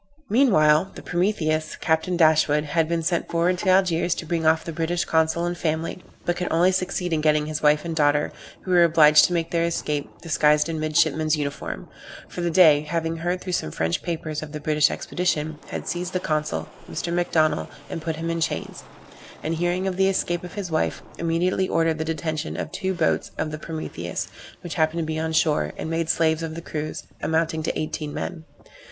Meanwhile, the Prometheus, Captain Dashwood, had been sent forward to Algiers to bring off the British consul and family; but could only succeed in getting his wife and daughter, who were obliged to make their escape, disguised in midshipmen's uniform; for the Dey, having heard through some French papers of the British expedition, had seized the consul, Mr. Macdonnell, and put him in chains; and, hearing of the escape of his wife, immediately ordered the detention of two boats of the Prometheus, which happened to be on shore, and made slaves of the crews, amounting to eighteen men.